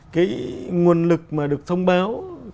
cái nguồn lực mà được thông báo